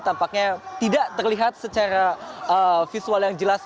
tampaknya tidak terlihat secara visual yang jelas